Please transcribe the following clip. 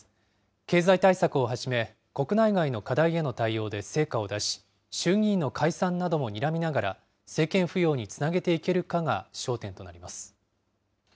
経済対策をはじめ、国内外の課題への対応で成果を出し、衆議院の解散などもにらみながら、政権浮揚につなげていけるかが焦点となります。